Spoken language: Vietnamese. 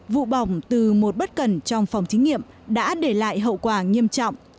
vụ bỏng từ một bất cần trong phòng thí nghiệm đã để lại hậu quả nghiêm trọng